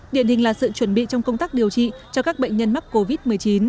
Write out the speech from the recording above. điển hình là sự chuẩn bị trong công tác điều trị cho các bệnh nhân mắc covid một mươi chín